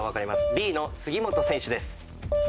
Ｂの杉本選手です。